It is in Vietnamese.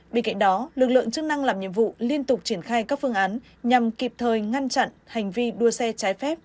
bên cạnh đó lực lượng chức năng làm nhiệm vụ liên tục triển khai các phương án nhằm kịp thời ngăn chặn hành vi đua xe trái phép